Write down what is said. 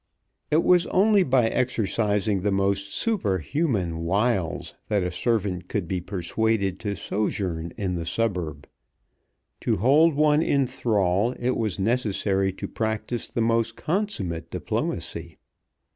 It was only by exercising the most superhuman wiles that a servant could be persuaded to sojourn in the suburb. To hold one in thrall it was necessary to practice the most consummate diplomacy.